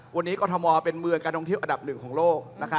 วันนี้กรทมเป็นเมืองการท่องเที่ยวอันดับหนึ่งของโลก